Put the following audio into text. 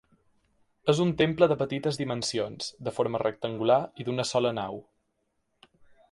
És un temple de petites dimensions, de forma rectangular i d'una sola nau.